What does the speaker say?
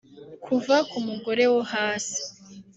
Kuva ku mugore wo hasi